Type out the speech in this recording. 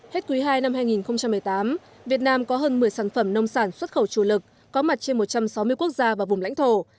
hết quý ii năm hai nghìn một mươi tám việt nam có hơn một mươi sản phẩm nông sản xuất khẩu chủ lực có mặt trên một trăm sáu mươi quốc gia và vùng lãnh thổ